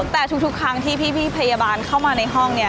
แต่ทุกครั้งที่พี่พยาบาลเข้ามาในห้องเนี่ย